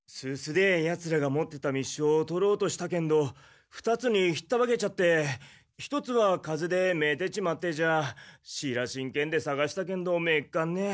でーヤツらが持ってた密書を取ろうとしたけんど２つにひったばけちゃって一つは風でめーてっちまってじゃーしらしんけんでさがしたけんどめっかんねー。